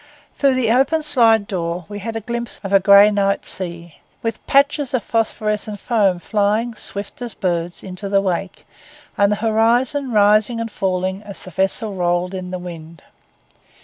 Through the open slide door we had a glimpse of a grey night sea, with patches of phosphorescent foam flying, swift as birds, into the wake, and the horizon rising and falling as the vessel rolled to the wind.